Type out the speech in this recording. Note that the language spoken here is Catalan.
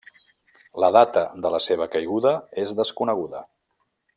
La data de la seva caiguda és desconeguda.